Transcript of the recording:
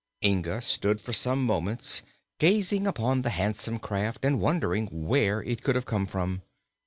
Inga stood for some moments gazing upon the handsome craft and wondering where it could have come from.